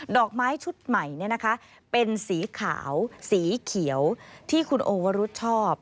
ดอกไม้ชุดใหม่เป็นสีขาวสีเขียวที่คุณโอวรุธชอบ